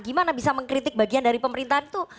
gimana bisa mengkritik bagian dari pemerintahan itu